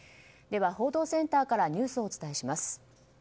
では報道センターからニュースをお伝えします。